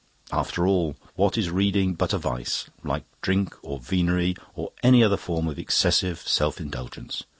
After all, what is reading but a vice, like drink or venery or any other form of excessive self indulgence?